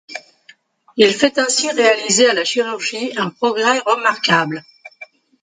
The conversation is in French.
Il fait ainsi réaliser à la chirurgie un progrès remarquable.